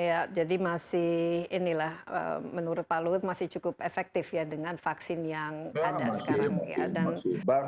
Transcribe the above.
ya jadi masih inilah menurut pak luhut masih cukup efektif ya dengan vaksin yang ada sekarang